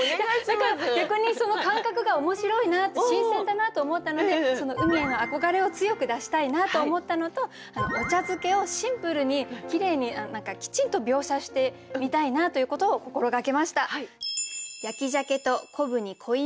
だから逆にその感覚が面白いなと新鮮だなと思ったので海への憧れを強く出したいなと思ったのとお茶漬けをシンプルにきれいにきちんと描写してみたいなということを心掛けました。